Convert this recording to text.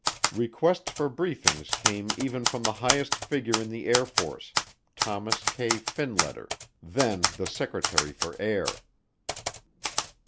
Requests for briefings came even from the highest figure in the Air Force, Thomas K. Finletter, then the Secretary for Air.